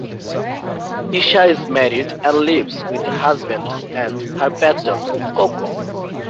Isha is married and lives with her husband and her pet dog Coco.